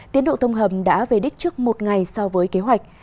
tiến độ thông hầm đã về đích trước một ngày so với kế hoạch